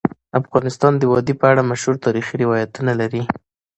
افغانستان د وادي په اړه مشهور تاریخی روایتونه لري.